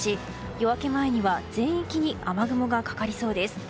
夜明け前には全域に雨雲がかかりそうです。